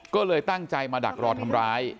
ก็เลยตั้งใจมาดักรอทำร้าย